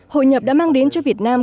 hội nhập đã mang đến cho việt nam